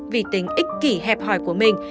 vì tính ích kỷ hẹp hỏi của mình